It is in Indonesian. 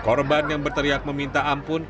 korban yang berteriak meminta ampun